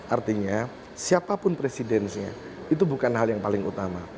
artinya siapapun presidennya itu bukan hal yang paling utama